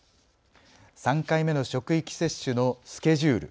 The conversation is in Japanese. ３回目の職域接種のスケジュール。